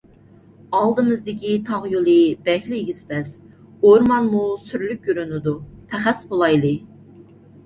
ئالدىمىزدىكى تاغ يولى بەكلا ئېگىز - پەس، ئورمانمۇ سۈرلۈك كۆرۈنىدۇ. پەخەس بولايلى.